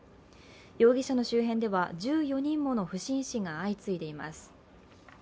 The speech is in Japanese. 容疑者の周辺では１４人もの不審死が相次いでいます。